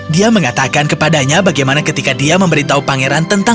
dia mengatakan kepadanya bagaimana ketika dia memberitahu pangeran tentang